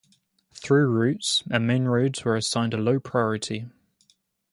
Through-routes and main roads were assigned a low priority.